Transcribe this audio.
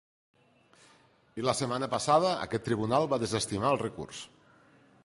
I la setmana passada, aquest tribunal va desestimar el recurs.